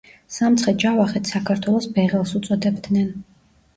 სამცხე-ჯავახეთს საქართველოს ,,ბეღელს" უწოდებდნენ